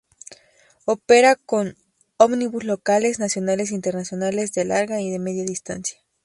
Opera con ómnibus locales, nacionales e internacionales, de larga y de media distancia.